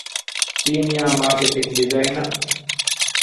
ސީނިއަރ މާކެޓިންގ ޑިޒައިނަރ